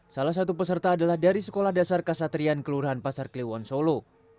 salah satu peserta adalah dari sekolah dasar kasatrian kelurahan pasar kliwon solo